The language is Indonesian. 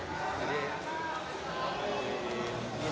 makasih ya pak